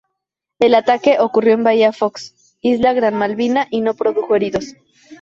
El ataque ocurrió en Bahía Fox, isla Gran Malvina y no produjo heridos.